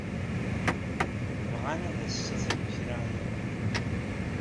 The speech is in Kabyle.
Bɣan ad as-ssutren kra i Yamina.